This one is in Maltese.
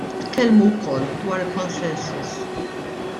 Tkellmu wkoll dwar consensus.